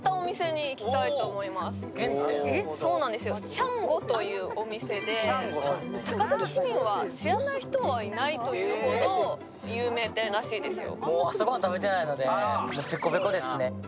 ＳＨＡＮＧＯというお店で、高崎市民は知らない人はいないというほど有名店らしいですよ。